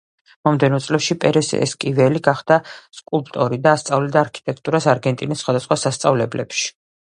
მომდევნო წლებში პერეს ესკიველი გახდა სკულპტორი და ასწავლიდა არქიტექტურას არგენტინის სხვადასხვა სასწავლებლებში.